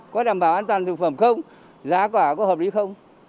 có đảm bảo an toàn thực phẩm không giá quả có hợp lý không